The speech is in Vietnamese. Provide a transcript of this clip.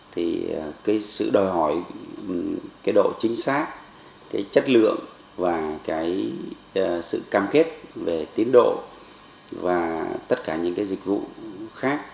thì cái sự đòi hỏi cái độ chính xác cái chất lượng và cái sự cam kết về tiến độ và tất cả những cái dịch vụ khác